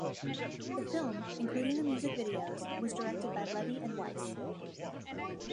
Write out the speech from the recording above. The film, including the music videos, was directed by Levey and Weiss.